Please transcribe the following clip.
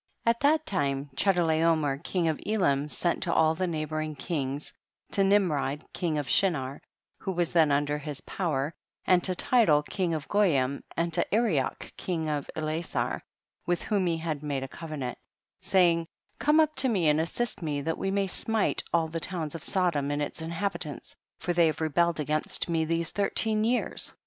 At that time Chedorlaomer king of Elam sent to all the neigh boring kings, to Nimrod king of Shinar who was then under his power, and to Tidal king of Goyim, and to Arioch king of Elasar, with whom he made a covenant, say ing, come up to me and assist me, that we may smite all the towns of Sodom and its inhabitants, for they have rebelled against me these thir teen years.